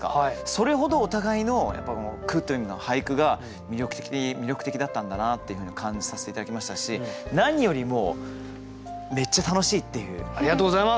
それほどお互いの句というのが俳句が魅力的だったんだなっていうふうに感じさせて頂きましたし何よりもありがとうございます！